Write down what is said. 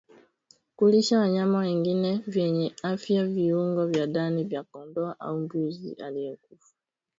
Kulisha wanyama wengine wenye afya viungo vya ndani vya kondoo au mbuzi aliyekufa